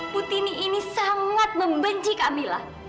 putini ini sangat membenci kamilah